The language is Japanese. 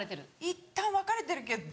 いったん別れてるけど。